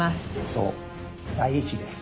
そう第一です。